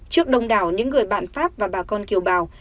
trước đông đảo những người bạn pháp và bà con kiều bào